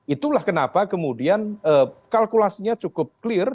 itulah kenapa kemudian kalkulasinya cukup clear